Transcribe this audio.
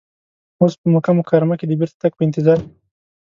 اوس په مکه مکرمه کې د بیرته تګ په انتظار یو.